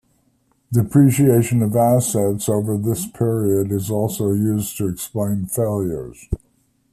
Depreciation of assets over this period is also used to explain failures.